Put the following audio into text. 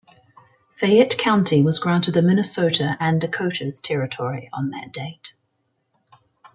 Fayette County was granted the Minnesota and Dakotas territory on that date.